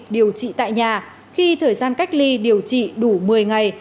điều trị tại nhà khi thời gian cách ly điều trị đủ một mươi ngày